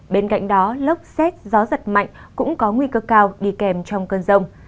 bên cạnh đó lốc xét gió giật mạnh cũng có nguy cơ cao đi kèm trong cơn rông